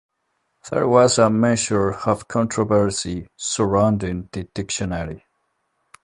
There was a measure of controversy surrounding the dictionary.